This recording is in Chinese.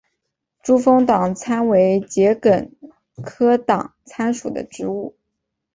珠峰党参为桔梗科党参属的植物。